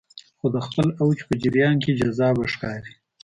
خو د خپل اوج په جریان کې جذابه ښکاري